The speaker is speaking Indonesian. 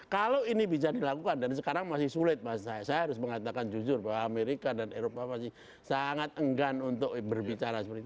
kalau ini bisa dilakukan dan sekarang masih sulit mas saya harus mengatakan jujur bahwa amerika dan eropa masih sangat enggan untuk berbicara seperti itu